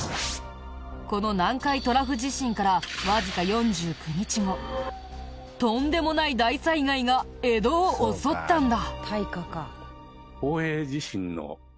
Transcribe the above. この南海トラフ地震からわずか４９日後とんでもない大災害が江戸を襲ったんだ！